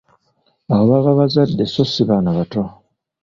Abo baba bazadde sso si baana bato.